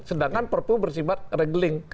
sedangkan perpu bersifat regeling